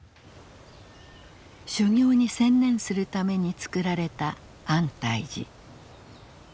修行に専念するために作られた安泰寺。